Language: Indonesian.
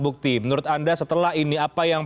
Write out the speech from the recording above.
bukti menurut anda setelah ini apa yang